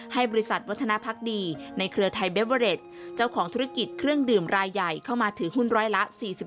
ให้บริษัทวัฒนภักดีในเครือไทยเบเวอเรดเจ้าของธุรกิจเครื่องดื่มรายใหญ่เข้ามาถือหุ้นร้อยละ๔๒